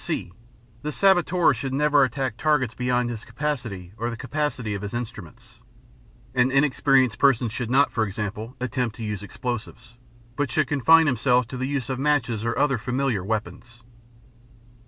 (c) The saboteur should never attack targets beyond his capacity or the capacity of his instruments. An inexperienced person should not, for example, attempt to use explosives, but should confine himself to the use of matches or other familiar weapons.